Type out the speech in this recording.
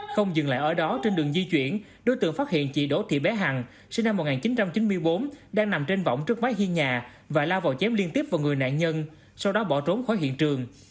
không dừng lại ở đó trên đường di chuyển đối tượng phát hiện chị đỗ thị bé hằng sinh năm một nghìn chín trăm chín mươi bốn đang nằm trên vỏng trước mái hiên nhà và la vào chém liên tiếp vào người nạn nhân sau đó bỏ trốn khỏi hiện trường